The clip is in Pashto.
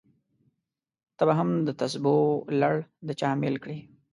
ته به هم دتسبو لړ د چا امېل کړې!